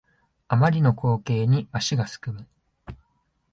あまりの光景に足がすくむ